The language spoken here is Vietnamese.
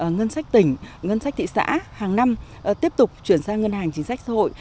ngân sách tỉnh ngân sách thị xã hàng năm tiếp tục chuyển sang ngân hàng chính sách xã hội